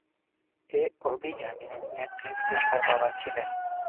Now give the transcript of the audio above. এ অভিযানের নেতৃত্বে তার বাবা ছিলেন।